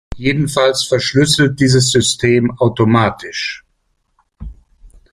Jedenfalls verschlüsselt dieses System automatisch.